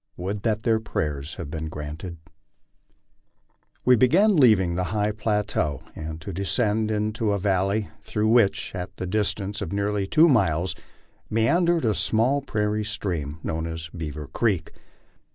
Would that their prayer had been granted MY LIFE ON THE PLAINS. 77 We began leaving the high plateau and to descend into a valley, through which, at the distance of nearly two miles, meandered a small prairie stream known as Beaver Creek.